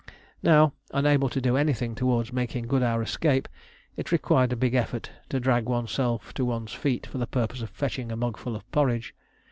Now, unable to do anything towards making good our escape, it required a big effort to drag oneself to one's feet for the purpose of fetching a mugful of porridge.